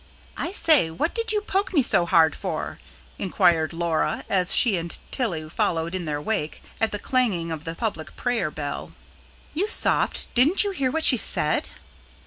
"I say, what did you poke me so hard for?" inquired Laura as she and Tilly followed in their wake, at the clanging of the public prayer bell. "You soft, didn't you hear what she said?"